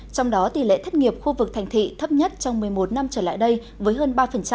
trong đó tỷ lệ thất nghiệp khu vực thành thị thấp nhất trong một mươi một năm trở lại đây với hơn ba